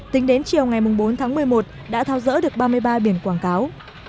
tính đến chiều ngày bốn tháng một mươi một đã tháo rỡ được ba mươi ba biển quảng cáo